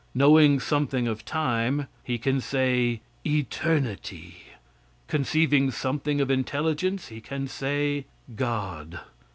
Knowing something of time, he can say, eternity. Conceiving something of intelligence, he can say God.